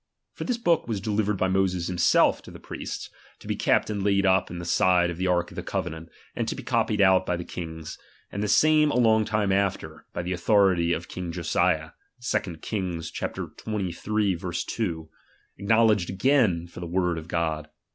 For this book was delivered by Moses himself to the priests, to be kept and laid up in the side of the ark of the covenant, and to be copied out by the kings ; and the same a long time after, by the authority of king Josiah (2 Kings sxiii. 2), acknow ledged again for the uiord of God.